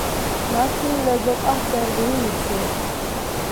نہ چھین لذت آہ سحرگہی مجھ سے